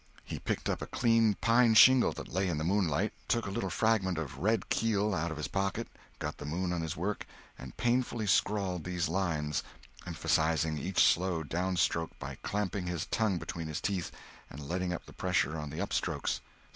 He picked up a clean pine shingle that lay in the moon light, took a little fragment of "red keel" out of his pocket, got the moon on his work, and painfully scrawled these lines, emphasizing each slow down stroke by clamping his tongue between his teeth, and letting up the pressure on the up strokes.